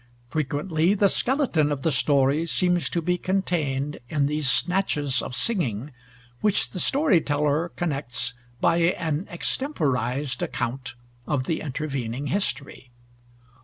Frequently the skeleton of the story seems to be contained in these snatches of singing, which the story teller connects by an extemporized account of the intervening history